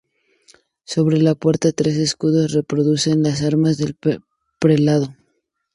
Sobre la puerta, tres escudos reproducen las armas del prelado.